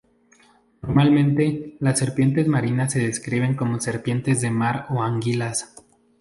Normalmente, las serpientes marinas se describen como serpientes de mar o anguilas.